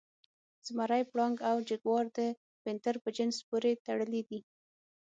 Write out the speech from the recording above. زمری، پړانګ او جګوار د پینتر په جنس پورې تړلي دي.